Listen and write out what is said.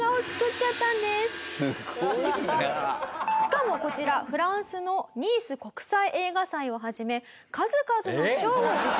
しかもこちらフランスのニース国際映画祭を始め数々の賞を受賞。